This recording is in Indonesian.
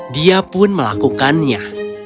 dia pun melakukannya